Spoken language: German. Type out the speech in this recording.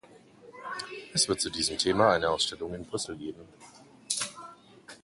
Es wird zu diesem Thema eine Ausstellung in Brüssel geben.